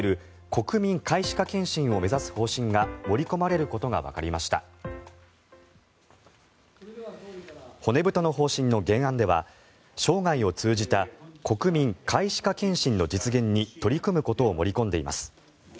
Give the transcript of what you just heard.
骨太の方針の原案では生涯を通じた国民皆歯科検診の実現に取り組むことを盛り込んでいます。